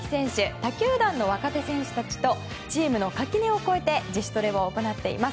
他球団の若手選手たちとチームの垣根を越えて自主トレを行っています。